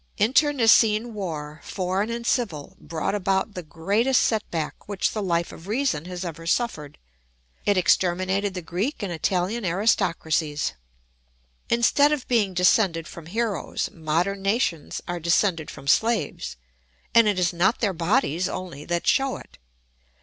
Internecine war, foreign and civil, brought about the greatest set back which the Life of Reason has ever suffered; it exterminated the Greek and Italian aristocracies. Instead of being descended from heroes, modern nations are descended from slaves; and it is not their bodies only that show it.